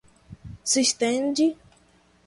systemd